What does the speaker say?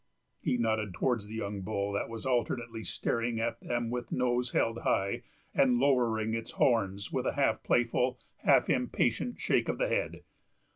He nodded towards the young bull, that was alternately staring at them with nose held high and lowering its horns with a half playful, half impatient shake of the head.